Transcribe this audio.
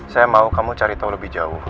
saya mau kamu cari tahu lebih jauh